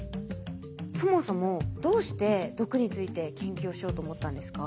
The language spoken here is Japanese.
そもそもどうして毒について研究をしようと思ったんですか？